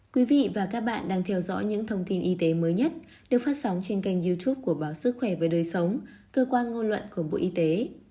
các bạn đang theo dõi những thông tin y tế mới nhất được phát sóng trên kênh youtube của báo sức khỏe với đời sống cơ quan ngôn luận của bộ y tế